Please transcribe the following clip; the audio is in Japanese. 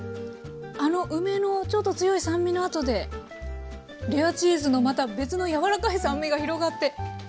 あの梅のちょっと強い酸味のあとでレアチーズのまた別の柔らかい酸味が広がって。